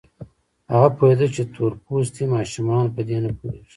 هغه پوهېده چې تور پوستي ماشومان په دې نه پوهېږي.